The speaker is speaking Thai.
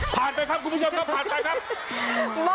ผ่านไปครับคุณพุทธเจ้าก็ผ่านไปครับ